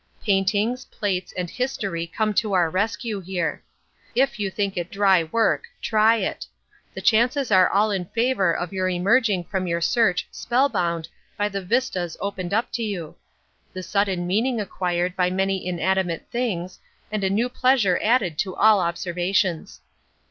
Paintings, plates and history come to our rescue here. If you think it dry work, try it. The chances are all in favour of your emerging from your search spell bound by the vistas opened up to you; the sudden meaning acquired by many inanimate things, and a new pleasure added to all observations.